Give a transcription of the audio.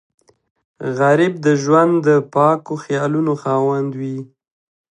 غریب د ژوند د پاکو خیالونو خاوند وي